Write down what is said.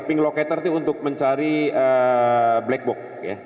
ping locator itu untuk mencari black box